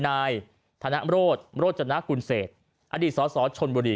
นายธนะมโรธมโรธจำนะกุลเศสอดีตสสชนบูรีย์